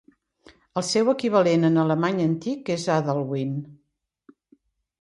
El seu equivalent en alemany antic és Adalwin.